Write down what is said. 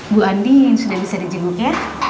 bu anin sudah bisa di jenguk ya